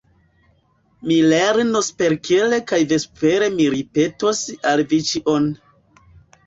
Mi lernos parkere kaj vespere mi ripetos al vi ĉion.